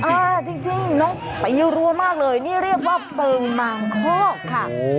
อ่าจริงนกตีรัวมากเลยนี่เรียกว่าเปิงบางคอกค่ะ